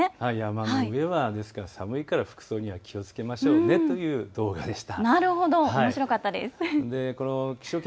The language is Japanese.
山の上は寒いから服装には気をつけましょうねという動画でした。